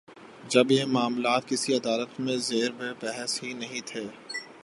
جب یہ معاملات کسی عدالت میں زیر بحث ہی نہیں تھے۔